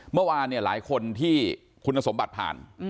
เมื่อวานเนี่ยหลายคนที่คุณสมบัติผ่าน